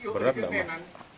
berat tidak mas